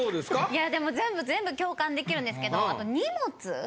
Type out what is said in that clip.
いやでも全部全部共感できるんですけどあと。